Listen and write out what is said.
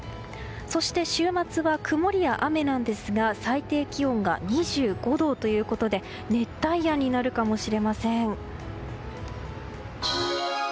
そして週末は曇りや雨ですが最低気温が２５度ということで熱帯夜になるかもしれません。